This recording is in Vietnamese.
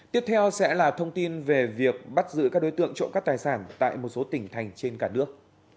tiếp theo sẽ là thông tin về việc bắt giữ các đối tượng trộm cắp tài sản tại một số tỉnh thành trên cả nước